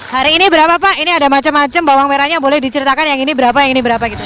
hari ini berapa pak ini ada macam macam bawang merahnya boleh diceritakan yang ini berapa yang ini berapa gitu